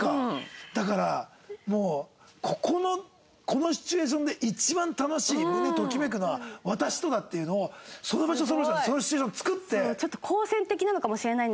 だからもうここのこのシチュエーションで一番楽しい胸ときめくのは私とだっていうのをその場所その場所そのシチュエーションを作って。